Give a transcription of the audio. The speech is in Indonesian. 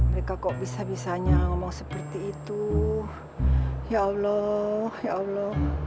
mereka kok bisa bisanya ngomong seperti itu ya allah ya allah